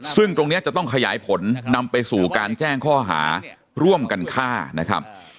ซึ่งตรงนี้จะต้องขยายผลนำไปสู่การแจ้งข้อหาร่วมกันฆ่านะครับ